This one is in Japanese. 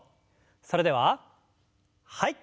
それでははい。